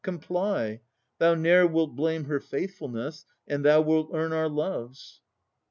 Comply. Thou ne'er wilt blame Her faithfulness, and thou wilt earn our loves.